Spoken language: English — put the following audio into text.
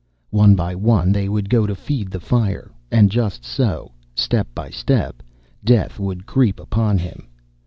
One by one they would go to feed the fire, and just so, step by step, death would creep upon him.